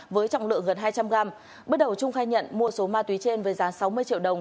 với trọng lượng gần hai trăm linh gram bước đầu trung khai nhận mua số ma túy trên với giá sáu mươi triệu đồng